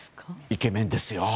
イケメンですよ。